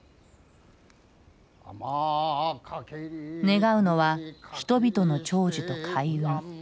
願うのは人々の長寿と開運。